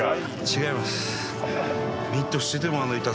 違います。